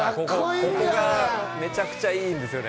ここがめちゃくちゃいいんですよね。